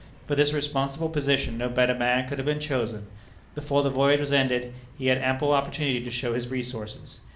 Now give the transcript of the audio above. For this responsible position no better man could have been chosen. Before the voyage was ended, he had ample opportunity to show his resources.